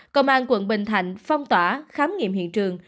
công an quận bình thạnh phong tỏa khám nghiệm hiện trường